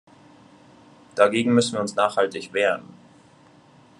Dagegen müssen wir uns nachhaltig wehren.